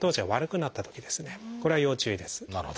なるほど。